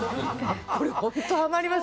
これ、本当にはまります。